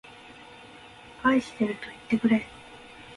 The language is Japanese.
愛しているといってくれ